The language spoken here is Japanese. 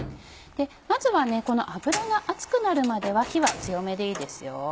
まずは油が熱くなるまでは火は強めでいいですよ。